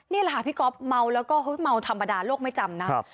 นี่แหละค่ะพี่ก๊อฟเมาแล้วก็เมาธรรมดาโลกไม่จำนะ